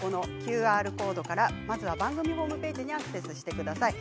ＱＲコードから番組ホームページにアクセスしてください。